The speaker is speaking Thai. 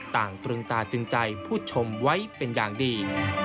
ตรึงตาตรึงใจผู้ชมไว้เป็นอย่างดี